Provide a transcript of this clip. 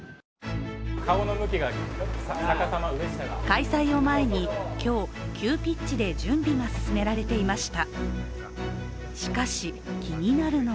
開催を前に今日、急ピッチで準備が進められていました。